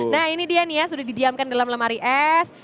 nah ini dia nih ya sudah didiamkan dalam lemari es